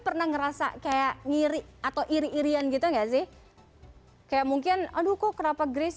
pernah ngerasa kayak ngiri atau iri irian gitu nggak sih kayak mungkin aduh kok kenapa grace